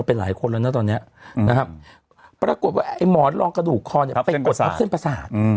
เราเป็นหลายคนแล้วนะตอนนี้ปรากฎว่าหมอนลองกระดูกคอเป็นกฎทับเส้นประหสาท